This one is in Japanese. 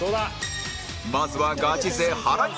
まずはガチ勢原西